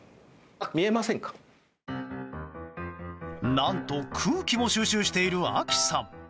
何と、空気も収集しているＡＫＩさん。